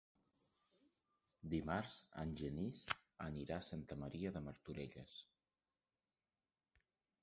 Dimarts en Genís anirà a Santa Maria de Martorelles.